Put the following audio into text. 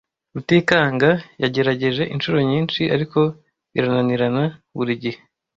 Rutikanga yagerageje inshuro nyinshi, ariko birananirana buri gihe.